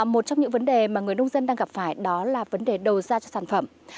một trong những vấn đề mà người nông dân đang gặp phải đó là vấn đề đầu ra cho sản phẩm